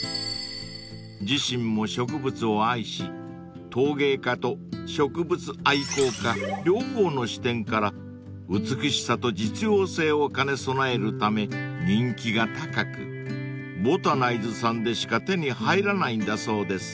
［自身も植物を愛し陶芸家と植物愛好家両方の視点から美しさと実用性を兼ね備えるため人気が高くＢＯＴＡＮＩＺＥさんでしか手に入らないんだそうです］